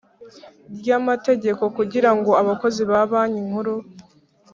ry amategeko kugira ngo abakozi ba Banki Nkuru